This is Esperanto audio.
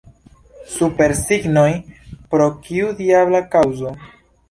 Supersignoj, pro kiu diabla kaŭzo?